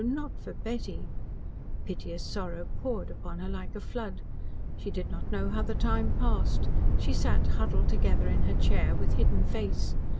Not for Betty! Piteous sorrow poured upon her like a flood. She did not know how the time passed. She sat, huddled together in her chair, with hidden face.